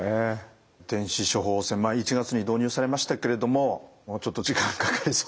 電子処方箋１月に導入されましたけれどももうちょっと時間かかりそうですかね。